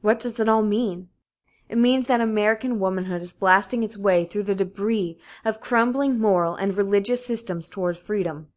What does it all mean? It means that American womanhood is blasting its way through the débris of crumbling moral and religious systems toward freedom.